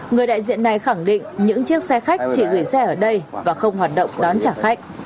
người đại diện này khẳng định những chiếc xe khách chỉ gửi xe ở đây và không hoạt động đón trả khách